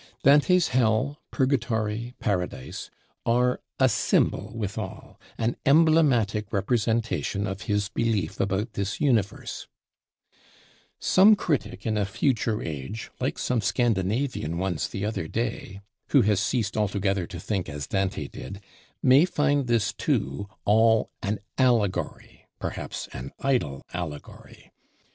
Dante's Hell, Purgatory, Paradise, are a symbol withal, an emblematic representation of his Belief about this Universe: some Critic in a future age, like some Scandinavian ones the other day, who has ceased altogether to think as Dante did, may find this, too, all an "Allegory," perhaps an idle Allegory!